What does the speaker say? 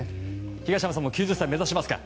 東山さんも９０歳を目指しますか？